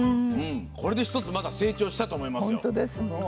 これで１つまた成長したと思います。